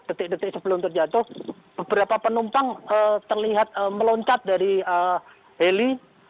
detik detik sebelum terjatuh beberapa penumpang terlihat meloncat dari heli